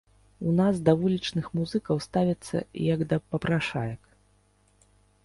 У нас да вулічных музыкаў ставяцца як да папрашаек.